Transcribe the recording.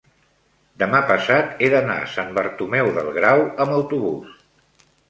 demà passat he d'anar a Sant Bartomeu del Grau amb autobús.